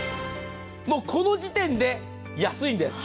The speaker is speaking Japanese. もう、この時点で安いんです